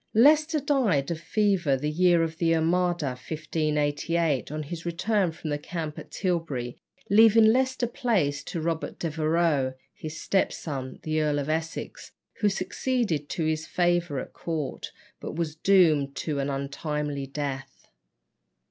Leicester died of fever the year of the Armada (1588), on his return from the camp at Tilbury, leaving Leicester Place to Robert Devereux, his step son, the Earl of Essex, who succeeded to his favour at court, but was doomed to an untimely death.